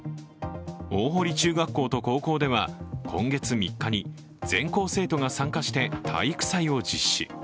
大濠中学校と高校では今月３日に、全校生徒が参加して体育祭を実施。